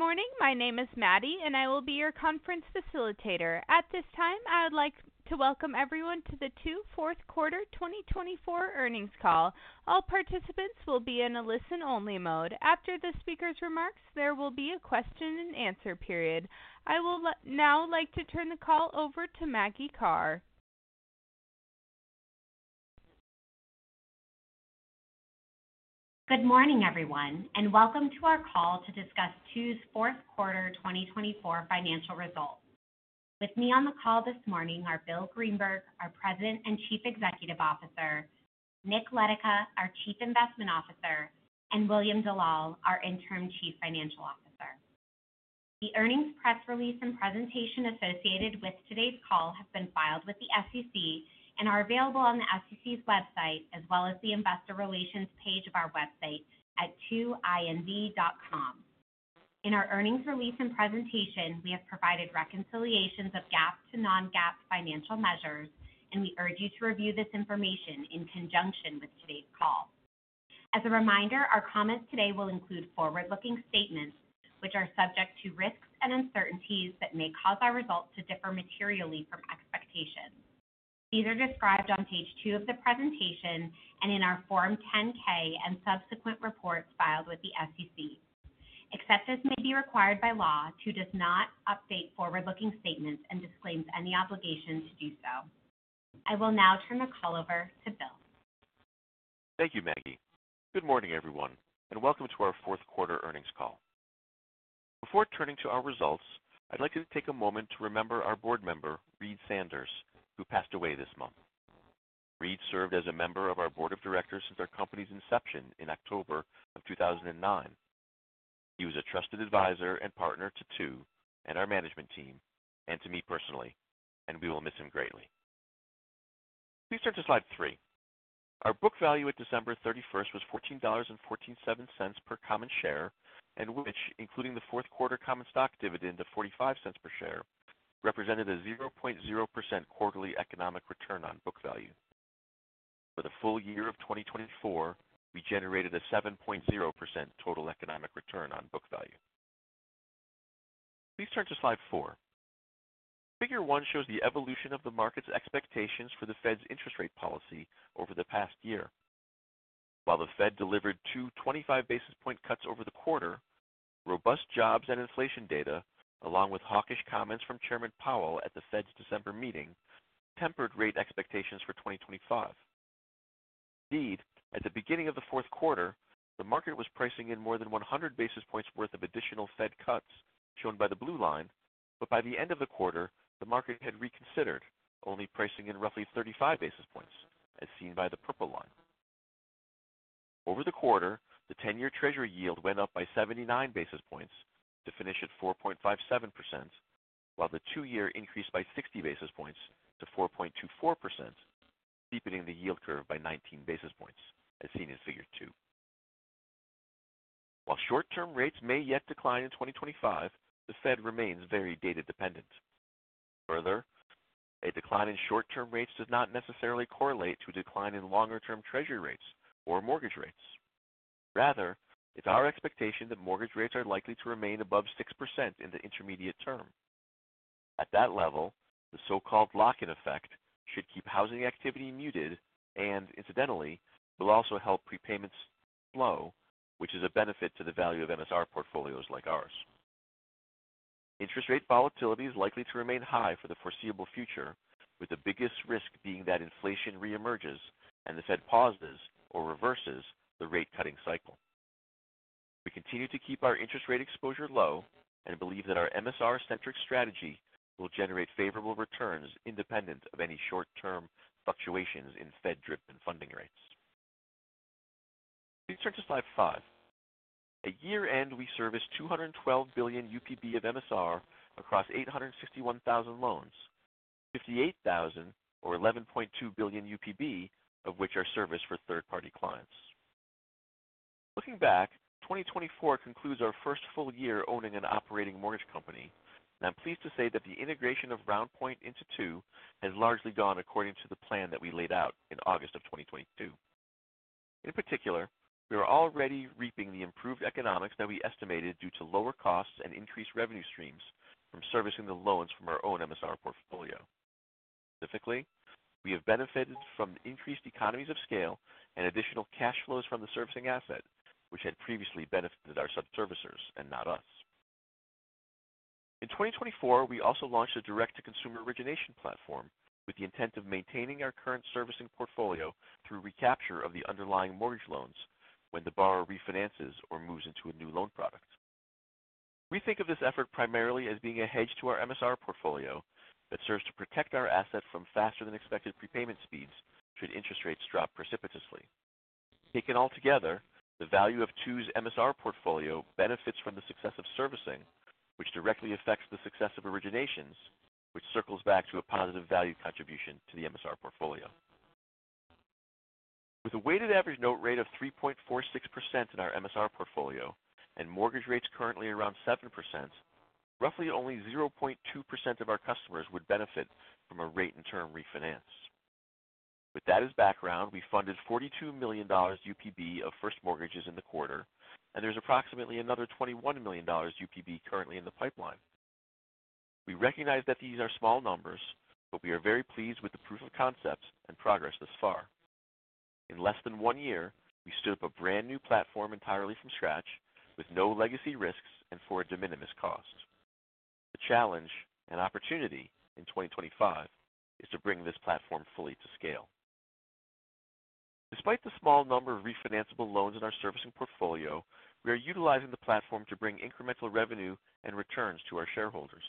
Good morning. My name is Maddie, and I will be your conference facilitator. At this time, I would like to welcome everyone to the TWO Fourth Quarter 2024 earnings call. All participants will be in a listen-only mode. After the speaker's remarks, there will be a question-and-answer period. I will now like to turn the call over to Maggie Karr. Good morning, everyone, and welcome to our call to discuss TWO's Fourth Quarter 2024 financial results. With me on the call this morning are Bill Greenberg, our President and Chief Executive Officer; Nick Letica, our Chief Investment Officer; and William Dellal, our Interim Chief Financial Officer. The earnings press release and presentation associated with today's call have been filed with the SEC and are available on the SEC's website as well as the Investor Relations page of our website at 2inv.com. In our earnings release and presentation, we have provided reconciliations of GAAP to non-GAAP financial measures, and we urge you to review this information in conjunction with today's call. As a reminder, our comments today will include forward-looking statements, which are subject to risks and uncertainties that may cause our results to differ materially from expectations. These are described on page two of the presentation and in our Form 10-K and subsequent reports filed with the SEC. Except as may be required by law, we do not update forward-looking statements and disclaim any obligation to do so. I will now turn the call over to Bill. Thank you, Maggie. Good morning, everyone, and welcome to our Fourth Quarter earnings call. Before turning to our results, I'd like to take a moment to remember our board member, Reid Sanders, who passed away this month. Reed served as a member of our board of directors since our company's inception in October of 2009. He was a trusted advisor and partner to TWO and our management team and to me personally, and we will miss him greatly. Please turn to slide three. Our book value at December 31st was $14.147 per common share, and which, including the fourth quarter common stock dividend of $0.45 per share, represented a 0.0% quarterly economic return on book value. For the full year of 2024, we generated a 7.0% total economic return on book value. Please turn to slide four. Figure one shows the evolution of the market's expectations for the Fed's interest rate policy over the past year. While the Fed delivered two 25 basis point cuts over the quarter, robust jobs and inflation data, along with hawkish comments from Chairman Powell at the Fed's December meeting, tempered rate expectations for 2025. Indeed, at the beginning of the fourth quarter, the market was pricing in more than 100 basis points' worth of additional Fed cuts shown by the blue line, but by the end of the quarter, the market had reconsidered, only pricing in roughly 35 basis points, as seen by the purple line. Over the quarter, the 10-year Treasury yield went up by 79 basis points to finish at 4.57%, while the two-year increased by 60 basis points to 4.24%, deepening the yield curve by 19 basis points, as seen in figure two. While short-term rates may yet decline in 2025, the Fed remains very data-dependent. Further, a decline in short-term rates does not necessarily correlate to a decline in longer-term treasury rates or mortgage rates. Rather, it's our expectation that mortgage rates are likely to remain above 6% in the intermediate term. At that level, the so-called lock-in effect should keep housing activity muted and, incidentally, will also help prepayments slow, which is a benefit to the value of MSR portfolios like ours. Interest rate volatility is likely to remain high for the foreseeable future, with the biggest risk being that inflation reemerges and the Fed pauses or reverses the rate-cutting cycle. We continue to keep our interest rate exposure low and believe that our MSR-centric strategy will generate favorable returns independent of any short-term fluctuations in Fed funds and funding rates. Please turn to slide five. At year-end, we service $212 billion UPB of MSR across 861,000 loans, 58,000 or $11.2 billion UPB, of which are serviced for third-party clients. Looking back, 2024 concludes our first full year owning an operating mortgage company, and I'm pleased to say that the integration of RoundPoint into TWO has largely gone according to the plan that we laid out in August of 2022. In particular, we are already reaping the improved economics that we estimated due to lower costs and increased revenue streams from servicing the loans from our own MSR portfolio. Specifically, we have benefited from increased economies of scale and additional cash flows from the servicing asset, which had previously benefited our sub-servicers and not us. In 2024, we also launched a direct-to-consumer origination platform with the intent of maintaining our current servicing portfolio through recapture of the underlying mortgage loans when the borrower refinances or moves into a new loan product. We think of this effort primarily as being a hedge to our MSR portfolio that serves to protect our asset from faster-than-expected prepayment speeds should interest rates drop precipitously. Taken all together, the value of Two's MSR portfolio benefits from the success of servicing, which directly affects the success of originations, which circles back to a positive value contribution to the MSR portfolio. With a weighted average note rate of 3.46% in our MSR portfolio and mortgage rates currently around 7%, roughly only 0.2% of our customers would benefit from a rate-and-term refinance. With that as background, we funded $42 million UPB of first mortgages in the quarter, and there's approximately another $21 million UPB currently in the pipeline. We recognize that these are small numbers, but we are very pleased with the proof of concept and progress thus far. In less than one year, we stood up a brand-new platform entirely from scratch with no legacy risks and for a de minimis cost. The challenge and opportunity in 2025 is to bring this platform fully to scale. Despite the small number of refinanceable loans in our servicing portfolio, we are utilizing the platform to bring incremental revenue and returns to our shareholders.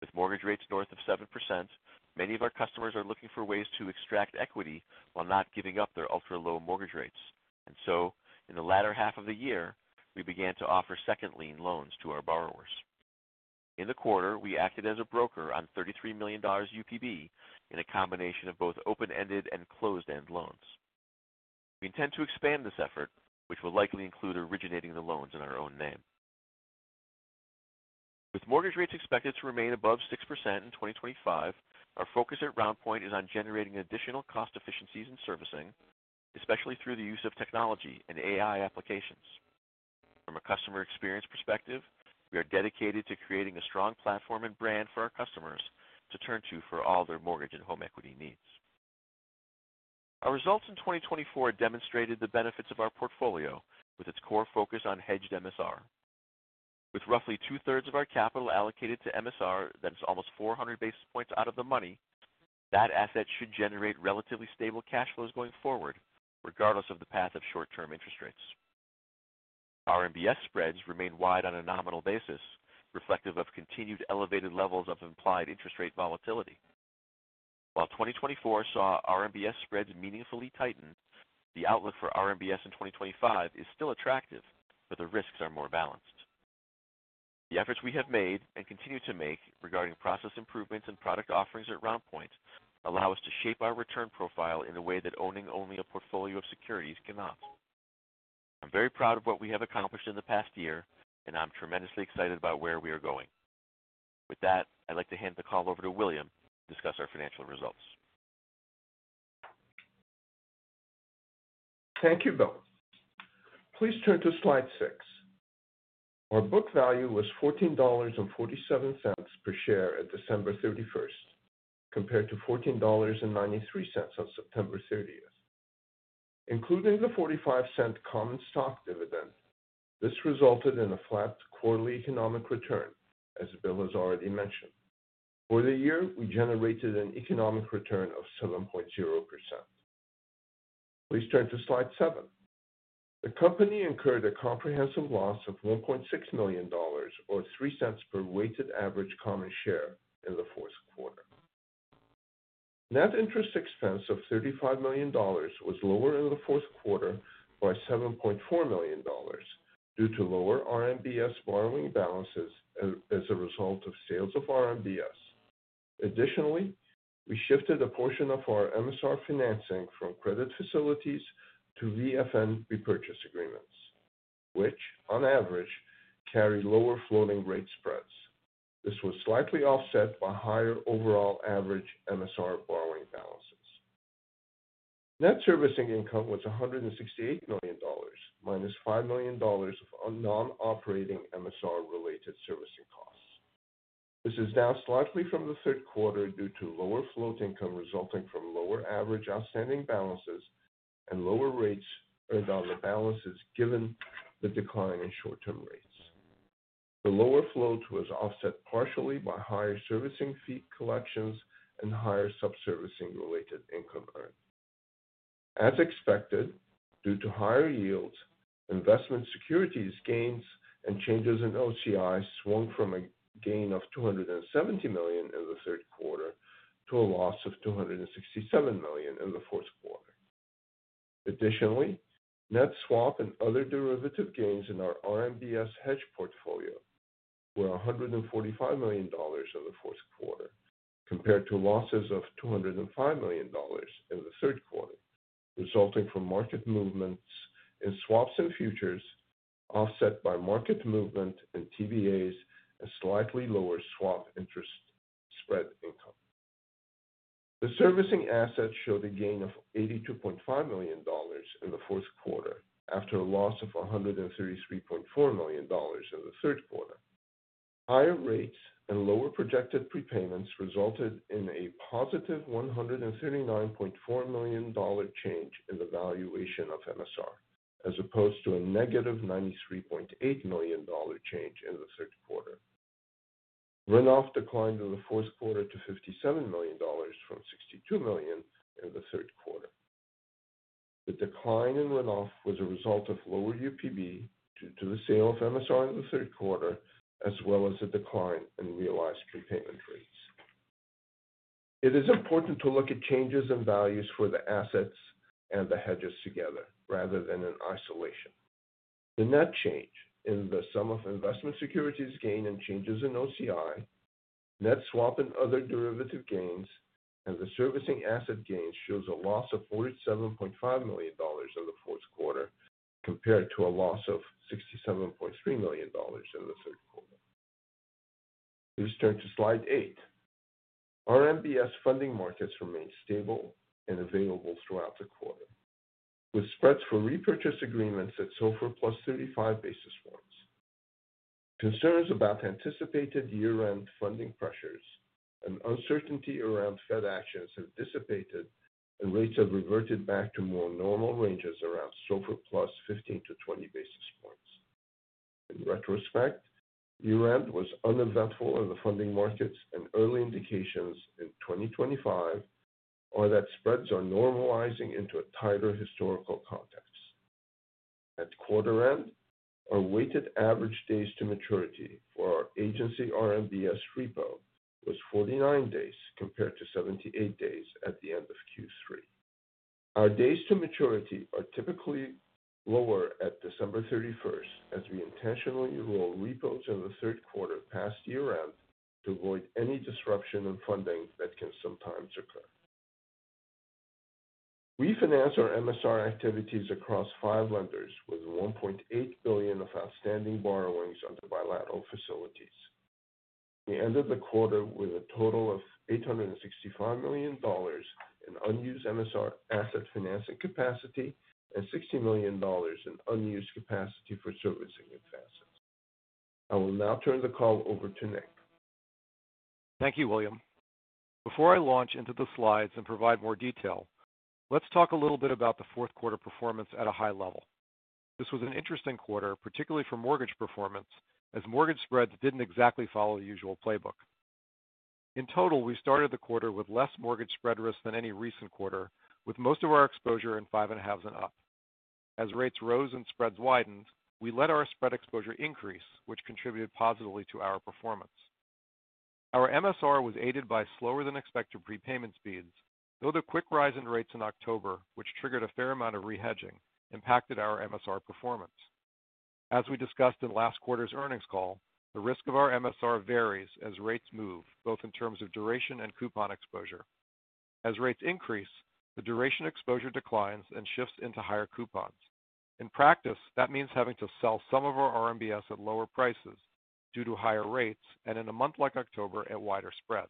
With mortgage rates north of 7%, many of our customers are looking for ways to extract equity while not giving up their ultra-low mortgage rates. In the latter half of the year, we began to offer second-line loans to our borrowers. In the quarter, we acted as a broker on $33 million UPB in a combination of both open-ended and closed-end loans. We intend to expand this effort, which will likely include originating the loans in our own name. With mortgage rates expected to remain above 6% in 2025, our focus at RoundPoint is on generating additional cost efficiencies in servicing, especially through the use of technology and AI applications. From a customer experience perspective, we are dedicated to creating a strong platform and brand for our customers to turn to for all their mortgage and home equity needs. Our results in 2024 demonstrated the benefits of our portfolio with its core focus on hedged MSR. With roughly two-thirds of our capital allocated to MSR, that's almost 400 basis points out of the money, that asset should generate relatively stable cash flows going forward, regardless of the path of short-term interest rates. RMBS spreads remain wide on a nominal basis, reflective of continued elevated levels of implied interest rate volatility. While 2024 saw RMBS spreads meaningfully tighten, the outlook for RMBS in 2025 is still attractive, but the risks are more balanced. The efforts we have made and continue to make regarding process improvements and product offerings at RoundPoint allow us to shape our return profile in a way that owning only a portfolio of securities cannot. I'm very proud of what we have accomplished in the past year, and I'm tremendously excited about where we are going. With that, I'd like to hand the call over to William to discuss our financial results. Thank you, Bill. Please turn to slide six. Our book value was $14.47 per share at December 31st, compared to $14.93 on September 30th. Including the $0.45 common stock dividend, this resulted in a flat quarterly economic return, as Bill has already mentioned. For the year, we generated an economic return of 7.0%. Please turn to slide seven. The company incurred a comprehensive loss of $1.6 million or $0.03 per weighted average common share in the fourth quarter. Net interest expense of $35 million was lower in the fourth quarter by $7.4 million due to lower RMBS borrowing balances as a result of sales of RMBS. Additionally, we shifted a portion of our MSR financing from credit facilities to VFN repurchase agreements, which, on average, carry lower floating rate spreads. This was slightly offset by higher overall average MSR borrowing balances. Net servicing income was $168 million, minus $5 million of non-operating MSR-related servicing costs. This is down slightly from the third quarter due to lower float income resulting from lower average outstanding balances and lower rates earned on the balances given the decline in short-term rates. The lower float was offset partially by higher servicing fee collections and higher sub-servicing-related income earned. As expected, due to higher yields, investment securities gains and changes in OCI swung from a gain of $270 million in the third quarter to a loss of $267 million in the fourth quarter. Additionally, net swap and other derivative gains in our RMBS hedge portfolio were $145 million in the fourth quarter, compared to losses of $205 million in the third quarter, resulting from market movements in swaps and futures offset by market movement in TBAs and slightly lower swap interest spread income. The servicing asset showed a gain of $82.5 million in the fourth quarter after a loss of $133.4 million in the third quarter. Higher rates and lower projected prepayments resulted in a positive $139.4 million change in the valuation of MSR, as opposed to a negative $93.8 million change in the third quarter. Runoff declined in the fourth quarter to $57 million from $62 million in the third quarter. The decline in runoff was a result of lower UPB due to the sale of MSR in the third quarter, as well as a decline in realized prepayment rates. It is important to look at changes in values for the assets and the hedges together, rather than in isolation. The net change in the sum of investment securities gain and changes in OCI, net swap and other derivative gains, and the servicing asset gains shows a loss of $47.5 million in the fourth quarter, compared to a loss of $67.3 million in the third quarter. Please turn to slide eight. RMBS funding markets remained stable and available throughout the quarter, with spreads for repurchase agreements at SOFR plus 35 basis points. Concerns about anticipated year-end funding pressures and uncertainty around Fed actions have dissipated, and rates have reverted back to more normal ranges around SOFR plus 15-20 basis points. In retrospect, year-end was uneventful in the funding markets, and early indications in 2025 are that spreads are normalizing into a tighter historical context. At quarter-end, our weighted average days to maturity for our agency RMBS repo was 49 days, compared to 78 days at the end of Q3. Our days to maturity are typically lower at December 31st, as we intentionally roll repos in the third quarter past year-end to avoid any disruption in funding that can sometimes occur. We finance our MSR activities across five lenders, with $1.8 billion of outstanding borrowings under bilateral facilities. We ended the quarter with a total of $865 million in unused MSR asset financing capacity and $60 million in unused capacity for servicing assets. I will now turn the call over to Nick. Thank you, William. Before I launch into the slides and provide more detail, let's talk a little bit about the fourth quarter performance at a high level. This was an interesting quarter, particularly for mortgage performance, as mortgage spreads didn't exactly follow the usual playbook. In total, we started the quarter with less mortgage spread risk than any recent quarter, with most of our exposure in five and a halves and up. As rates rose and spreads widened, we let our spread exposure increase, which contributed positively to our performance. Our MSR was aided by slower-than-expected prepayment speeds, though the quick rise in rates in October, which triggered a fair amount of rehedging, impacted our MSR performance. As we discussed in last quarter's earnings call, the risk of our MSR varies as rates move, both in terms of duration and coupon exposure. As rates increase, the duration exposure declines and shifts into higher coupons. In practice, that means having to sell some of our RMBS at lower prices due to higher rates, and in a month like October, at wider spreads.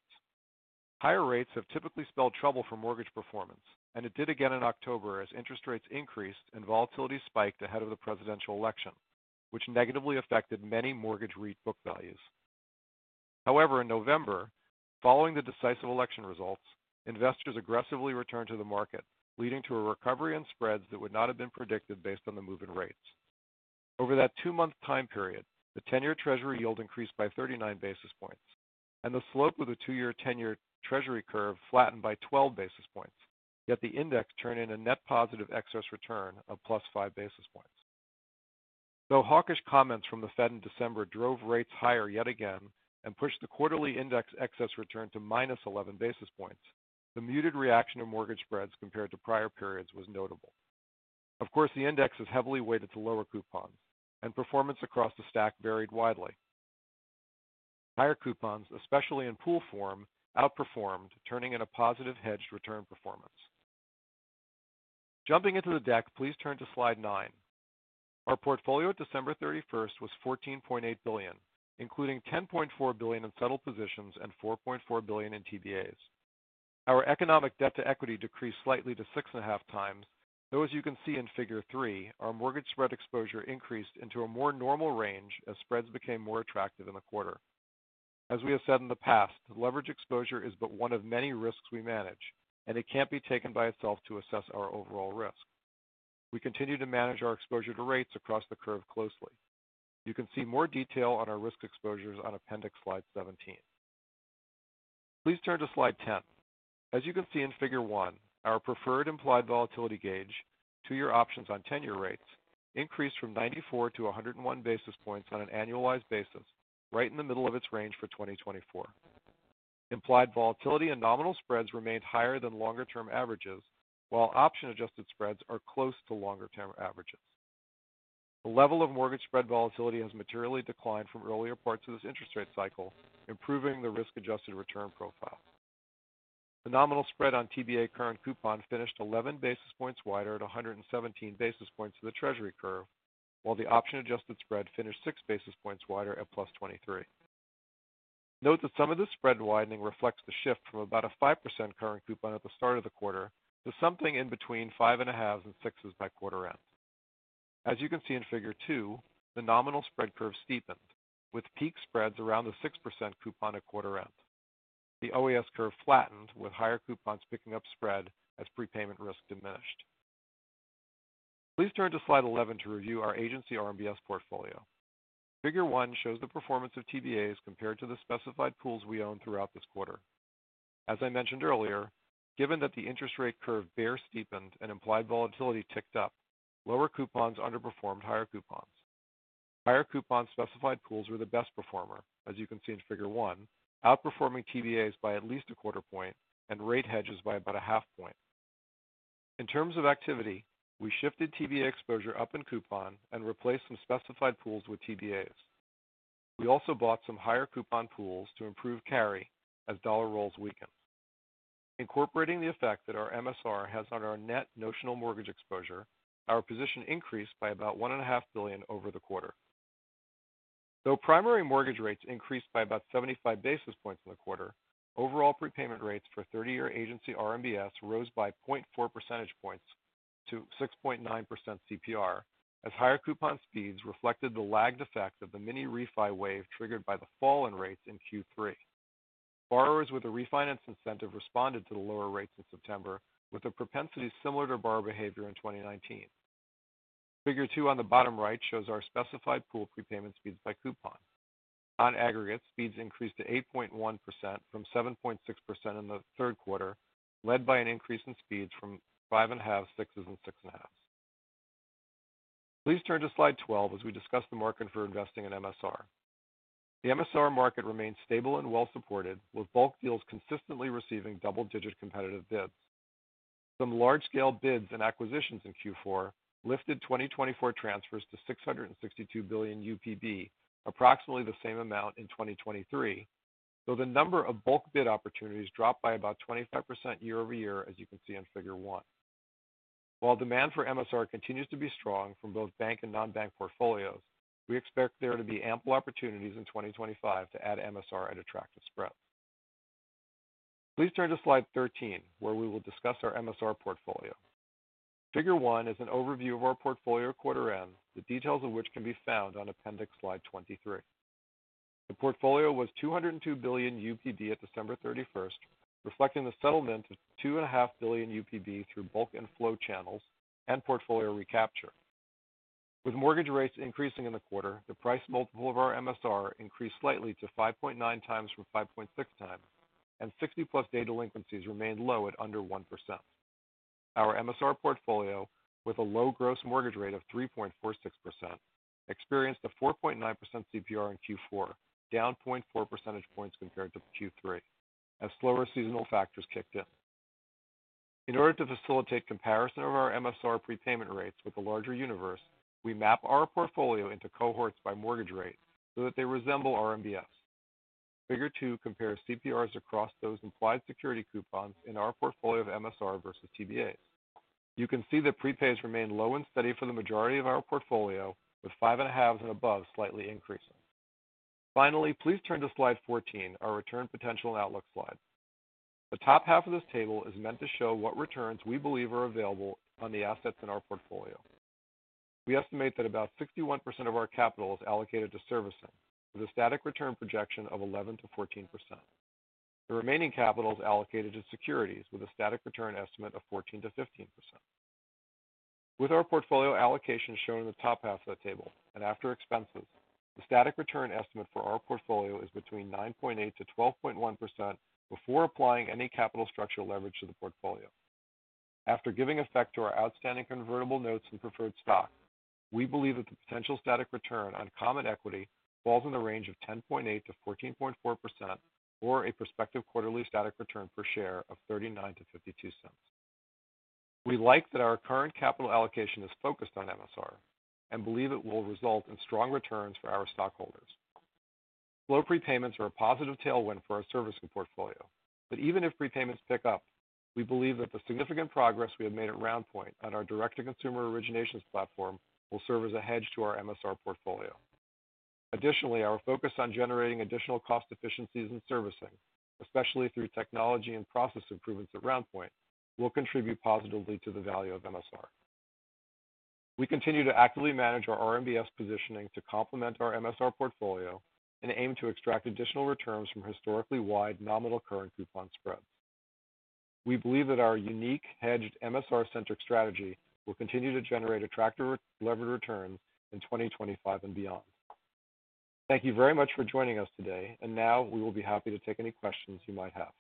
Higher rates have typically spelled trouble for mortgage performance, and it did again in October as interest rates increased and volatility spiked ahead of the presidential election, which negatively affected many mortgage REIT book values. However, in November, following the decisive election results, investors aggressively returned to the market, leading to a recovery in spreads that would not have been predicted based on the move in rates. Over that two-month time period, the 10-year treasury yield increased by 39 basis points, and the slope of the two-year 10-year treasury curve flattened by 12 basis points, yet the index turned in a net positive excess return of plus 5 basis points. Though hawkish comments from the Fed in December drove rates higher yet again and pushed the quarterly index excess return to minus 11 basis points, the muted reaction of mortgage spreads compared to prior periods was notable. Of course, the index is heavily weighted to lower coupons, and performance across the stack varied widely. Higher coupons, especially in pool form, outperformed, turning in a positive hedged return performance. Jumping into the deck, please turn to slide nine. Our portfolio at December 31st was $14.8 billion, including $10.4 billion in settled positions and $4.4 billion in TBAs. Our economic debt to equity decreased slightly to six and a half times, though, as you can see in figure three, our mortgage spread exposure increased into a more normal range as spreads became more attractive in the quarter. As we have said in the past, leverage exposure is but one of many risks we manage, and it can't be taken by itself to assess our overall risk. We continue to manage our exposure to rates across the curve closely. You can see more detail on our risk exposures on appendix slide 17. Please turn to slide 10. As you can see in figure one, our preferred implied volatility gauge for options on 10-year rates increased from 94 to 101 basis points on an annualized basis, right in the middle of its range for 2024. Implied volatility and nominal spreads remained higher than longer-term averages, while option-adjusted spreads are close to longer-term averages. The level of mortgage spread volatility has materially declined from earlier parts of this interest rate cycle, improving the risk-adjusted return profile. The nominal spread on TBA current coupon finished 11 basis points wider at 117 basis points to the treasury curve, while the option-adjusted spread finished 6 basis points wider at plus 23. Note that some of this spread widening reflects the shift from about a 5% current coupon at the start of the quarter to something in between five and a halves and sixes by quarter-end. As you can see in Figure 2, the nominal spread curve steepened, with peak spreads around the 6% coupon at quarter-end. The OAS curve flattened, with higher coupons picking up spread as prepayment risk diminished. Please turn to slide 11 to review our agency RMBS portfolio. Figure 1 shows the performance of TBAs compared to the specified pools we owned throughout this quarter. As I mentioned earlier, given that the interest rate curve bear steepened and implied volatility ticked up, lower coupons underperformed higher coupons. Higher coupons specified pools were the best performer, as you can see in figure one, outperforming TBAs by at least a quarter point and rate hedges by about a half point. In terms of activity, we shifted TBA exposure up in coupon and replaced some specified pools with TBAs. We also bought some higher coupon pools to improve carry as dollar rolls weakened. Incorporating the effect that our MSR has on our net notional mortgage exposure, our position increased by about $1.5 billion over the quarter. Though primary mortgage rates increased by about 75 basis points in the quarter, overall prepayment rates for 30-year Agency RMBS rose by 0.4 percentage points to 6.9% CPR, as higher coupon speeds reflected the lagged effect of the mini refi wave triggered by the fall in rates in Q3. Borrowers with a refinance incentive responded to the lower rates in September, with a propensity similar to borrower behavior in 2019. Figure two on the bottom right shows our specified pool prepayment speeds by coupon. On aggregate, speeds increased to 8.1% from 7.6% in the third quarter, led by an increase in speeds from five and a halves, sixes and six and a halves. Please turn to slide 12 as we discuss the market for investing in MSR. The MSR market remained stable and well-supported, with bulk deals consistently receiving double-digit competitive bids. Some large-scale bids and acquisitions in Q4 lifted 2024 transfers to $662 billion UPB, approximately the same amount in 2023, though the number of bulk bid opportunities dropped by about 25% year-over-year, as you can see in figure one. While demand for MSR continues to be strong from both bank and non-bank portfolios, we expect there to be ample opportunities in 2025 to add MSR at attractive spreads. Please turn to slide 13, where we will discuss our MSR portfolio. Figure one is an overview of our portfolio quarter-end, the details of which can be found on appendix slide 23. The portfolio was $202 billion UPB at December 31st, reflecting the settlement of $2.5 billion UPB through bulk inflow channels and portfolio recapture. With mortgage rates increasing in the quarter, the price multiple of our MSR increased slightly to 5.9 times from 5.6 times, and 60-plus day delinquencies remained low at under 1%. Our MSR portfolio, with a low gross mortgage rate of 3.46%, experienced a 4.9% CPR in Q4, down 0.4 percentage points compared to Q3, as slower seasonal factors kicked in. In order to facilitate comparison of our MSR prepayment rates with the larger universe, we map our portfolio into cohorts by mortgage rate so that they resemble RMBS. Figure two compares CPRs across those implied security coupons in our portfolio of MSR versus TBAs. You can see that prepays remain low and steady for the majority of our portfolio, with five and a halves and above slightly increasing. Finally, please turn to slide 14, our return potential and outlook slide. The top half of this table is meant to show what returns we believe are available on the assets in our portfolio. We estimate that about 61% of our capital is allocated to servicing, with a static return projection of 11%-14%. The remaining capital is allocated to securities, with a static return estimate of 14%-15%. With our portfolio allocation shown in the top half of that table and after expenses, the static return estimate for our portfolio is between 9.8%-12.1% before applying any capital structure leverage to the portfolio. After giving effect to our outstanding convertible notes and preferred stock, we believe that the potential static return on common equity falls in the range of 10.8%-14.4%, or a prospective quarterly static return per share of $0.39-$0.52. We like that our current capital allocation is focused on MSR and believe it will result in strong returns for our stockholders. Slow prepayments are a positive tailwind for our servicing portfolio, but even if prepayments pick up, we believe that the significant progress we have made at RoundPoint on our direct-to-consumer originations platform will serve as a hedge to our MSR portfolio. Additionally, our focus on generating additional cost efficiencies in servicing, especially through technology and process improvements at RoundPoint, will contribute positively to the value of MSR. We continue to actively manage our RMBS positioning to complement our MSR portfolio and aim to extract additional returns from historically wide nominal current coupon spreads. We believe that our unique hedged MSR-centric strategy will continue to generate attractive levered returns in 2025 and beyond. Thank you very much for joining us today, and now we will be happy to take any questions you might have.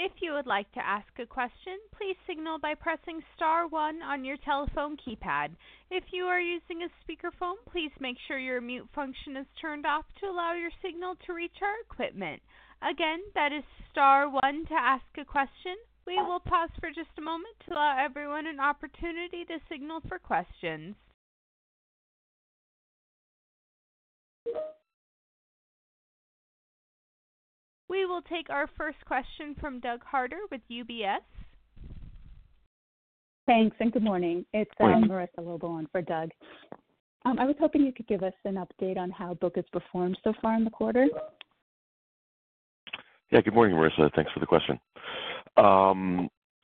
If you would like to ask a question, please signal by pressing star one on your telephone keypad. If you are using a speakerphone, please make sure your mute function is turned off to allow your signal to reach our equipment. Again, that is star one to ask a question. We will pause for just a moment to allow everyone an opportunity to signal for questions. We will take our first question from Doug Harter with UBS. Thanks, and good morning. It's Marissa Lobo for Doug. I was hoping you could give us an update on how book is performing so far in the quarter. Yeah, good morning, Marissa. Thanks for the question.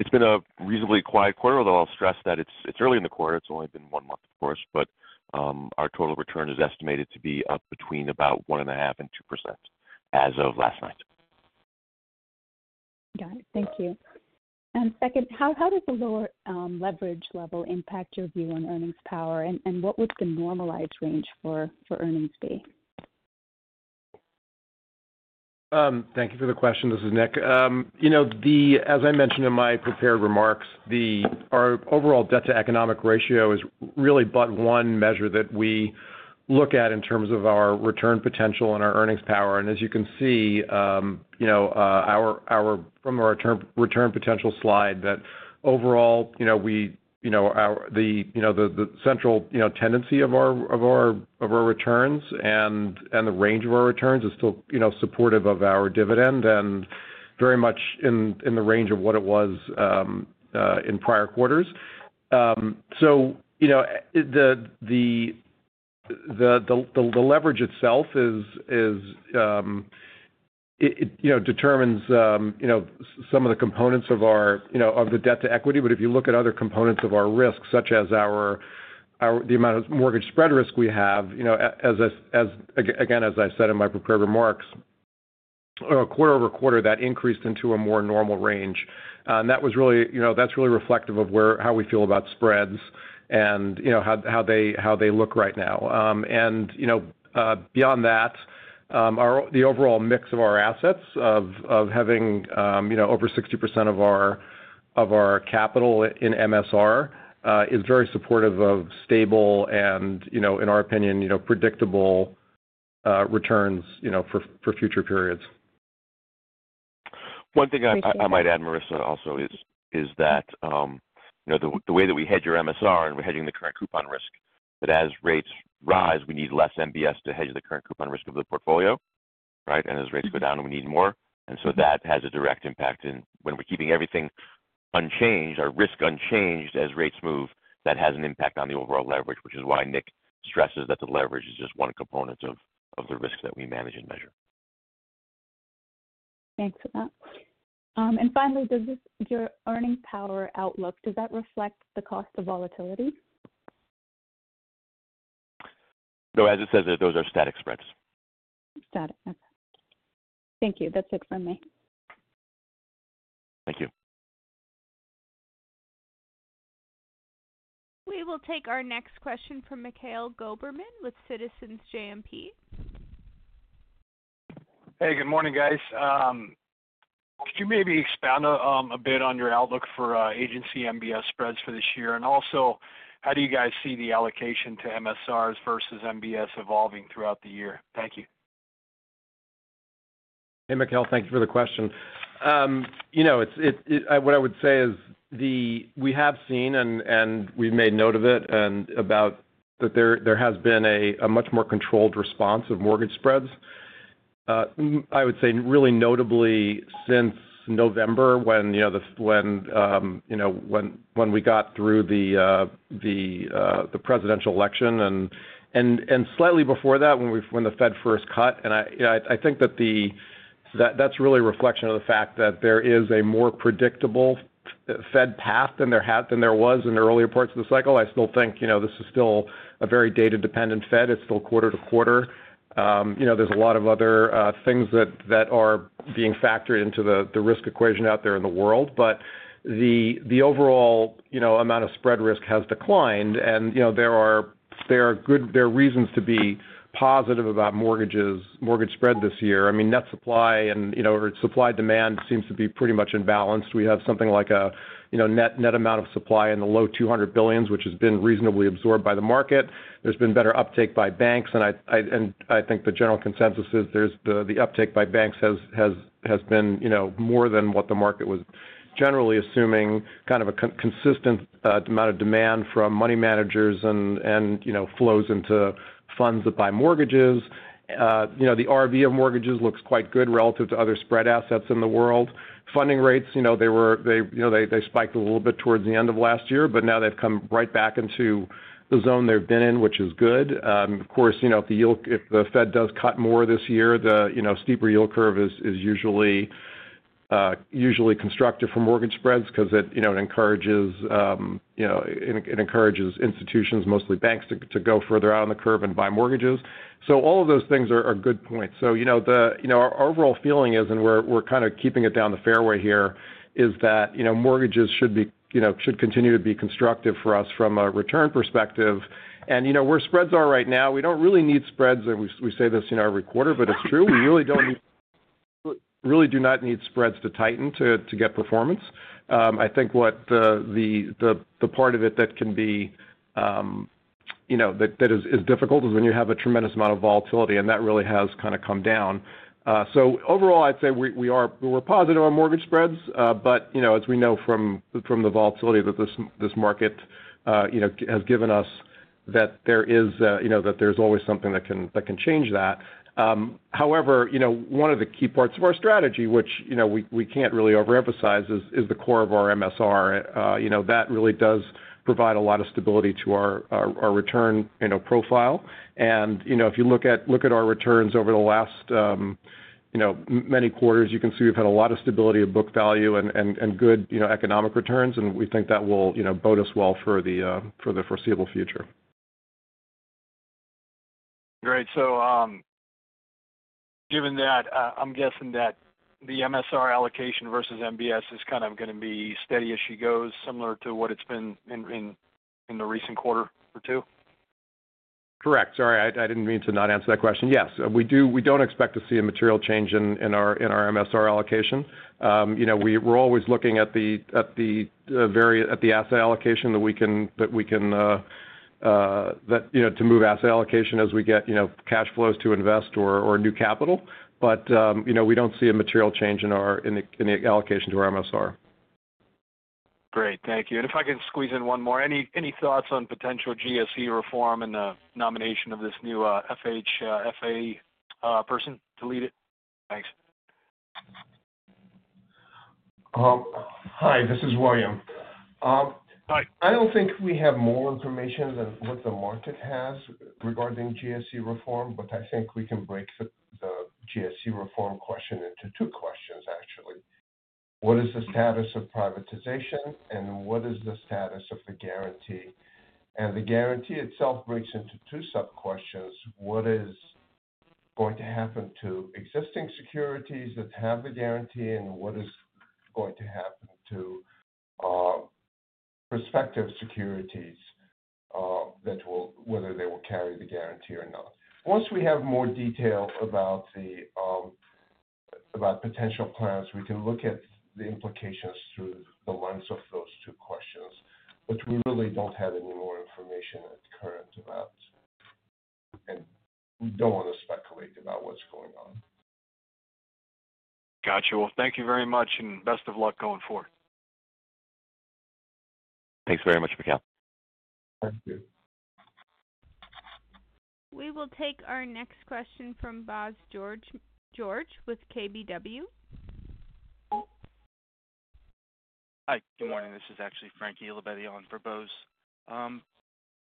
It's been a reasonably quiet quarter, although I'll stress that it's early in the quarter. It's only been one month, of course, but our total return is estimated to be up between about one and a half and 2% as of last night. Got it. Thank you. And second, how does the lower leverage level impact your view on earnings power, and what would the normalized range for earnings be? Thank you for the question. This is Nick. As I mentioned in my prepared remarks, our overall debt-to-equity ratio is really but one measure that we look at in terms of our return potential and our earnings power. And as you can see from our return potential slide, that overall, the central tendency of our returns and the range of our returns is still supportive of our dividend and very much in the range of what it was in prior quarters. So the leverage itself determines some of the components of the debt-to-equity, but if you look at other components of our risk, such as the amount of mortgage spread risk we have, again, as I said in my prepared remarks, quarter-over-quarter, that increased into a more normal range. And that's really reflective of how we feel about spreads and how they look right now. And beyond that, the overall mix of our assets, of having over 60% of our capital in MSR, is very supportive of stable and, in our opinion, predictable returns for future periods. One thing I might add, Marissa, also is that the way that we hedge our MSR and we're hedging the current coupon risk, that as rates rise, we need less MBS to hedge the current coupon risk of the portfolio, right? And as rates go down, we need more. And so that has a direct impact in when we're keeping everything unchanged, our risk unchanged as rates move, that has an impact on the overall leverage, which is why Nick stresses that the leverage is just one component of the risks that we manage and measure. Thanks for that. And finally, does your earnings power outlook, does that reflect the cost of volatility? No, as it says, those are static spreads. Static. Okay. Thank you. That's it from me. Thank you. We will take our next question from Mikhail Goberman with Citizens JMP. Hey, good morning, guys. Could you maybe expound a bit on your outlook for agency MBS spreads for this year? And also, how do you guys see the allocation to MSRs versus MBS evolving throughout the year? Thank you. Hey, Mikhail, thank you for the question. What I would say is we have seen, and we've made note of it, that there has been a much more controlled response of mortgage spreads. I would say really notably since November when we got through the presidential election and slightly before that when the Fed first cut. And I think that that's really a reflection of the fact that there is a more predictable Fed path than there was in earlier parts of the cycle. I still think this is still a very data-dependent Fed. It's still quarter to quarter. There's a lot of other things that are being factored into the risk equation out there in the world, but the overall amount of spread risk has declined. And there are reasons to be positive about mortgage spread this year. I mean, net supply and supply-demand seems to be pretty much imbalanced. We have something like a net amount of supply in the low $200 billion, which has been reasonably absorbed by the market. There's been better uptake by banks, and I think the general consensus is the uptake by banks has been more than what the market was generally assuming, kind of a consistent amount of demand from money managers and flows into funds that buy mortgages. The RV of mortgages looks quite good relative to other spread assets in the world. Funding rates, they spiked a little bit towards the end of last year, but now they've come right back into the zone they've been in, which is good. Of course, if the Fed does cut more this year, the steeper yield curve is usually constructive for mortgage spreads because it encourages institutions, mostly banks, to go further out on the curve and buy mortgages. So all of those things are good points. So our overall feeling is, and we're kind of keeping it down the fairway here, is that mortgages should continue to be constructive for us from a return perspective. And where spreads are right now, we don't really need spreads, and we say this in every quarter, but it's true. We really do not need spreads to tighten to get performance. I think what the part of it that can be that is difficult is when you have a tremendous amount of volatility, and that really has kind of come down. So overall, I'd say we're positive on mortgage spreads, but as we know from the volatility that this market has given us, that there's always something that can change that. However, one of the key parts of our strategy, which we can't really overemphasize, is the core of our MSR. That really does provide a lot of stability to our return profile. And if you look at our returns over the last many quarters, you can see we've had a lot of stability of book value and good economic returns, and we think that will bode us well for the foreseeable future. Great. So given that, I'm guessing that the MSR allocation versus MBS is kind of going to be steady as she goes, similar to what it's been in the recent quarter or two? Correct. Sorry, I didn't mean to not answer that question. Yes, we don't expect to see a material change in our MSR allocation. We're always looking at the asset allocation to move as we get cash flows to invest or new capital, but we don't see a material change in the allocation to our MSR. Great. Thank you. And if I can squeeze in one more, any thoughts on potential GSE reform and the nomination of this new FHFA person to lead it? Thanks. Hi, this is William. Hi. I don't think we have more information than what the market has regarding GSE reform, but I think we can break the GSE reform question into two questions, actually. What is the status of privatization, and what is the status of the guarantee? And the guarantee itself breaks into two sub-questions. What is going to happen to existing securities that have the guarantee, and what is going to happen to prospective securities, whether they will carry the guarantee or not? Once we have more detail about potential plans, we can look at the implications through the lens of those two questions, but we really don't have any more information at current about, and we don't want to speculate about what's going on. Gotcha. Well, thank you very much, and best of luck going forward. Thanks very much, Mikhail. Thank you. We will take our next question from Bose George with KBW. Hi, good morning. This is actually Frank Labetti on for Bose.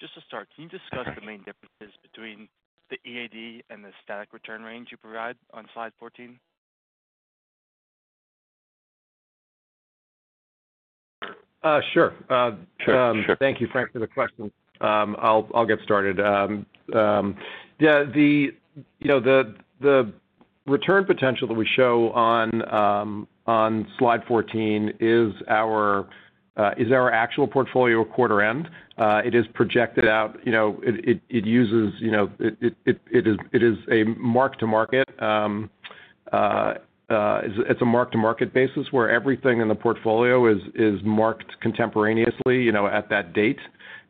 Just to start, can you discuss the main differences between the EAD and the static return range you provide on slide 14? Sure. Thank you, Frank, for the question. I'll get started. The return potential that we show on slide 14 is our actual portfolio quarter-end. It is projected out. It uses it is a mark-to-market. It's a mark-to-market basis where everything in the portfolio is marked contemporaneously at that date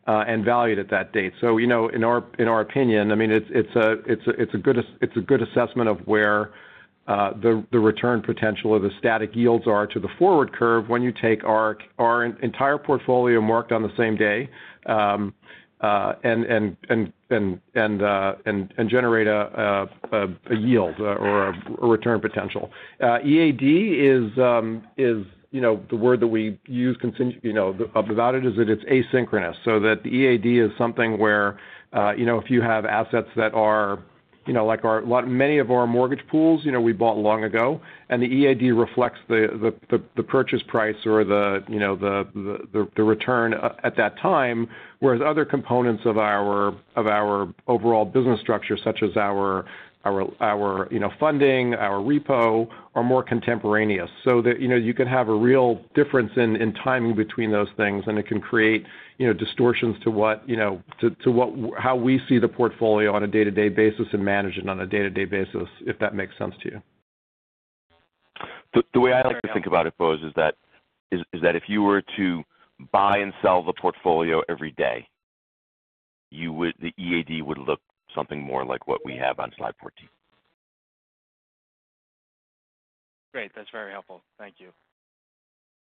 and valued at that date. So in our opinion, I mean, it's a good assessment of where the return potential of the static yields are to the forward curve when you take our entire portfolio marked on the same day and generate a yield or a return potential. EAD is the word that we use about it is that it's asynchronous. So that the EAD is something where if you have assets that are like many of our mortgage pools we bought long ago, and the EAD reflects the purchase price or the return at that time, whereas other components of our overall business structure, such as our funding, our repo, are more contemporaneous. So you can have a real difference in timing between those things, and it can create distortions to how we see the portfolio on a day-to-day basis and manage it on a day-to-day basis, if that makes sense to you. The way I like to think about it, Bose, is that if you were to buy and sell the portfolio every day, the EAD would look something more like what we have on slide 14. Great. That's very helpful. Thank you.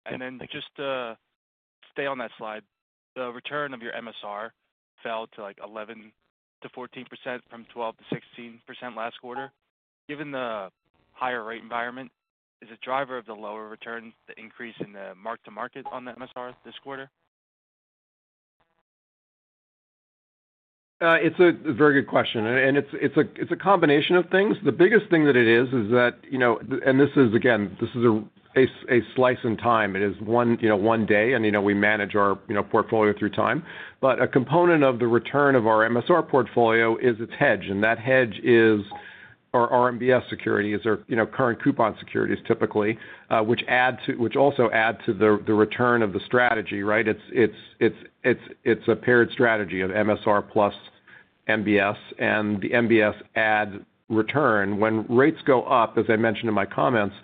And then just to stay on that slide, the return of your MSR fell to like 11%-14% from 12%-16% last quarter. Given the higher rate environment, is the driver of the lower return the increase in the mark-to-market on the MSR this quarter? It's a very good question, and it's a combination of things. The biggest thing that it is is that, and this is, again, this is a slice in time. It is one day, and we manage our portfolio through time, but a component of the return of our MSR portfolio is its hedge, and that hedge is our MBS securities, our current coupon securities typically, which also add to the return of the strategy, right? It's a paired strategy of MSR plus MBS, and the MBS adds return. When rates go up, as I mentioned in my comments,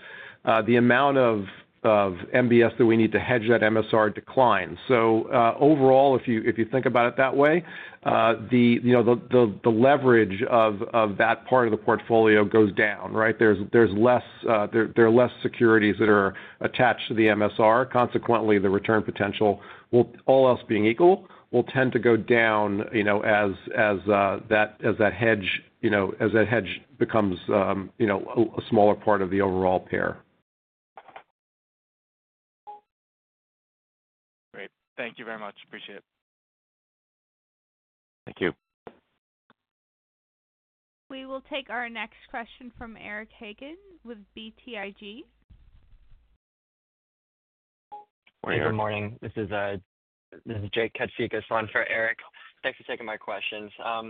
the amount of MBS that we need to hedge that MSR declines, so overall, if you think about it that way, the leverage of that part of the portfolio goes down, right? There are less securities that are attached to the MSR. Consequently, the return potential, all else being equal, will tend to go down as that hedge becomes a smaller part of the overall pair. Great. Thank you very much. Appreciate it. Thank you. We will take our next question from Eric Hagan with BTIG. Good morning. This is Jake Katsikas, on for Eric. Thanks for taking my questions. Are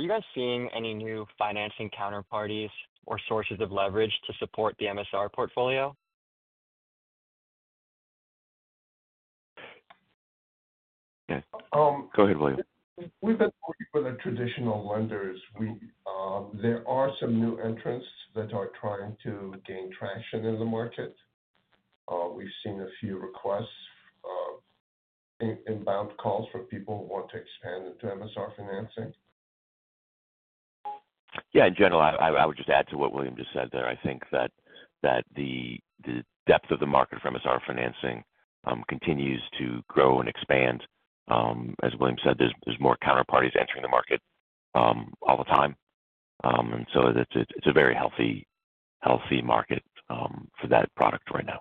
you guys seeing any new financing counterparties or sources of leverage to support the MSR portfolio? Go ahead, William. We've been working with the traditional lenders. There are some new entrants that are trying to gain traction in the market. We've seen a few requests inbound calls from people who want to expand into MSR financing. Yeah. In general, I would just add to what William just said there. I think that the depth of the market for MSR financing continues to grow and expand. As William said, there's more counterparties entering the market all the time. And so it's a very healthy market for that product right now.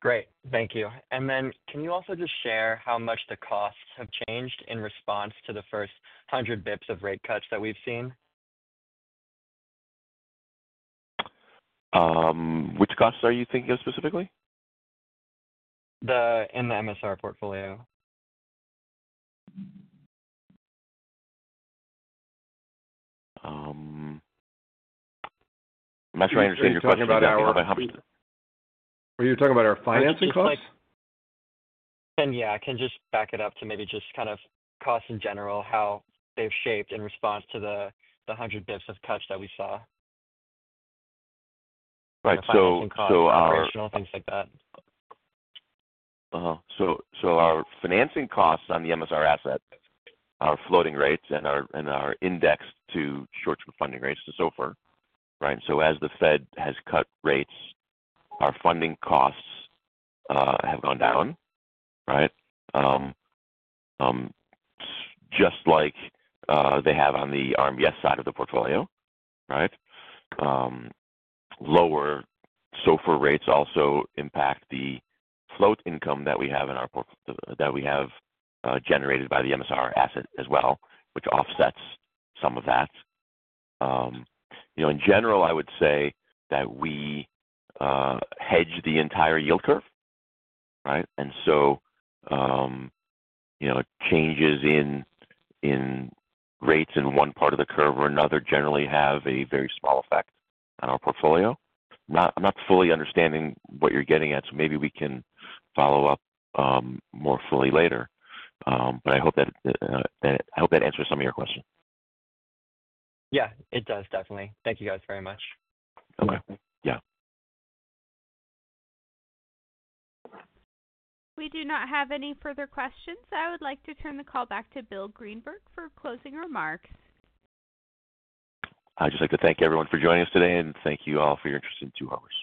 Great. Thank you, and then can you also just share how much the costs have changed in response to the first 100 basis points of rate cuts that we've seen? Which costs are you thinking of specifically? In the MSR portfolio. I'm not sure I understand your question. Are you talking about our financing costs? Yeah. Can just back it up to maybe just kind of the costs in general, how they've shaped in response to the 100 basis points of cuts that we saw? Right. So our. Financing costs, operational, things like that. So our financing costs on the MSR asset, our floating rates, and our indexed to short-term funding rates and so forth, right? So as the Fed has cut rates, our funding costs have gone down, right? Just like they have on the RMBS side of the portfolio, right? Lower SOFR rates also impact the float income that we have in our portfolio that we have generated by the MSR asset as well, which offsets some of that. In general, I would say that we hedge the entire yield curve, right? And so changes in rates in one part of the curve or another generally have a very small effect on our portfolio. I'm not fully understanding what you're getting at, so maybe we can follow up more fully later. But I hope that answers some of your questions. Yeah, it does. Definitely. Thank you guys very much. Okay. Yeah. We do not have any further questions. I would like to turn the call back to Bill Greenberg for closing remarks. I'd just like to thank everyone for joining us today, and thank you all for your interest in Two Harbors.